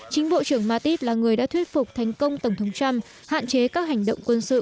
chính bộ trưởng mattis là người đã thuyết phục thành công tổng thống trump hạn chế các hành động quân sự